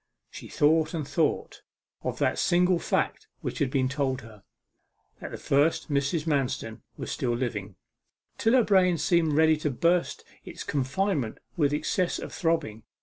She thought and thought of that single fact which had been told her that the first Mrs. Manston was still living till her brain seemed ready to burst its confinement with excess of throbbing.